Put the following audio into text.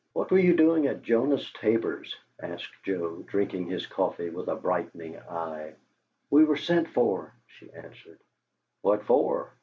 "What were you doing at Jonas Tabor's?" asked Joe, drinking his coffee with a brightening eye. "We were sent for," she answered. "What for?"